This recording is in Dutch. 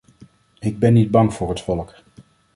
Ik ben niet bang voor het volk.